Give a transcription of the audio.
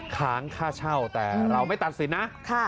ค้างค่าเช่าแต่เราไม่ตัดสินนะ